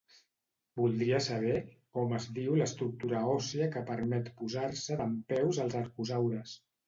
Voldria saber com es diu l'estructura òssia que permet posar-se dempeus als arcosaures.